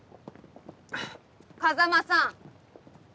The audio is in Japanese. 風真さん。